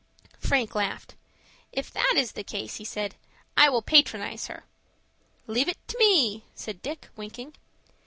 Frank laughed. "If that is the case," he said, "I think I will patronize her." "Leave it to me," said Dick, winking.